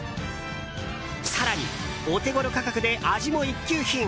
更に、オテゴロ価格で味も一級品！